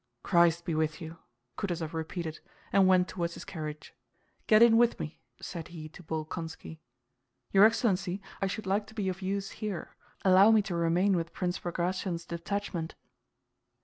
"Christ be with you!" Kutúzov repeated and went toward his carriage. "Get in with me," said he to Bolkónski. "Your excellency, I should like to be of use here. Allow me to remain with Prince Bagratión's detachment."